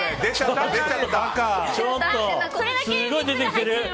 すごい出てきてる！